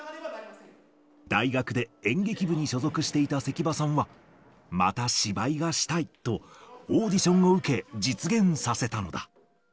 大学で演劇部に所属していた関場さんは、また芝居がしたいと、オーディションを受け、実現させたのだ。